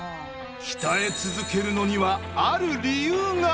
鍛え続けるのにはある理由が。